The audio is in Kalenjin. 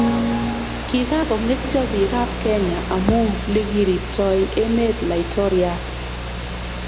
Kikakongetyo bik ab Kenya amu likiripto emet laitoriat